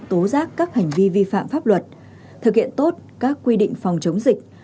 tố giác các hành vi vi phạm pháp luật thực hiện tốt các quy định phòng chống dịch